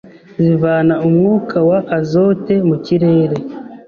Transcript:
zivana umwuka wa azote mu kirere